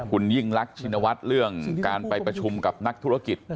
คุณยิ่งรักชินวัฒน์เรื่องการไปประชุมกับนักธุรกิจ